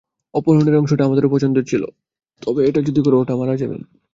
অপহরণের অংশটা আমাদেরও পছন্দের ছিল, তবে এটা যদি করো, ওরা মারা যাবে।